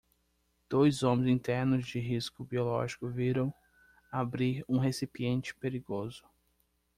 Dois homens em ternos de risco biológico viram abrir um recipiente perigoso.